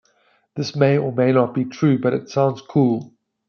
This may or may not be true, but it sounds cool!